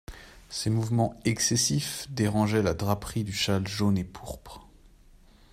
Ces mouvements excessifs dérangeaient la draperie du châle jaune et pourpre.